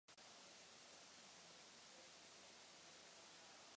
Pro celou rodinu to byl velký kulturní přínos.